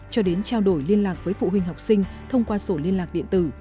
cho đến trao đổi liên lạc với phụ huynh học sinh thông qua sổ liên lạc điện tử